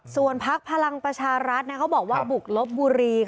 ส่วนพักพลังประชารัฐเขาบอกว่าบุกลบบุรี